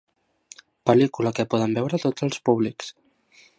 Pel·lícula que poden veure tots els públics.